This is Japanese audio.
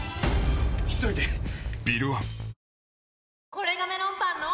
これがメロンパンの！